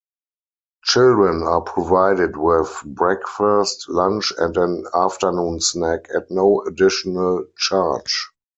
Children are provided with breakfast, lunch and an afternoon snack at no additional charge.